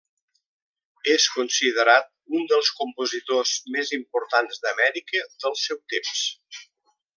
És considerat un dels compositors més importants d'Amèrica del seu temps.